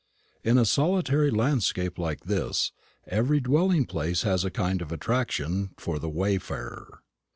In a solitary landscape like this, every dwelling place has a kind of attraction for the wayfarer.